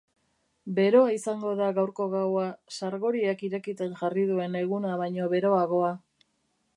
Beroa izango da gaurko gaua, sargoriak irakiten jarri duen eguna baino beroagoa.